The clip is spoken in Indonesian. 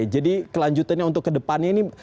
jadi kelanjutannya untuk ke depannya ini